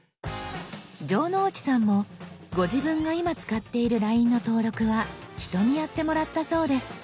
城之内さんもご自分が今使っているＬＩＮＥの登録は人にやってもらったそうです。